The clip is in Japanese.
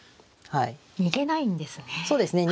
逃げないんですね。